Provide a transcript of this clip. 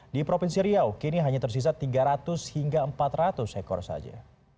di provinsi riau kini hanya tersisa tiga ratus hingga empat ratus ekor saja